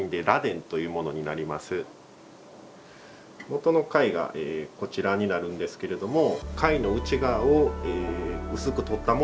もとの貝がこちらになるんですけれども。